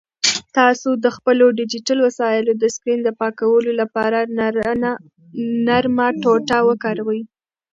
تاسو د خپلو ډیجیټل وسایلو د سکرین د پاکولو لپاره نرمه ټوټه وکاروئ.